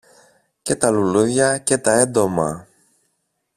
και τα λουλούδια και τα έντομα.